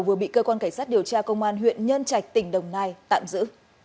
vừa bị cơ quan cảnh sát điều tra công an huyện nhân trạch tỉnh đồng nai tạm giữ